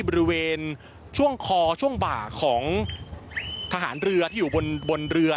บริเวณช่วงคอช่วงบ่าของทหารเรือที่อยู่บนเรือ